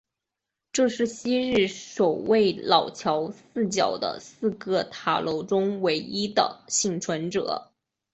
这是昔日守卫老桥四角的四个塔楼中唯一的幸存者。